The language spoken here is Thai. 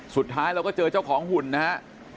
สุดท้ายเราก็เจอเจ้าของหุ่นนะฮะ